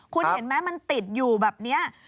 คุณเห็นไหมมันติดอยู่แบบนี้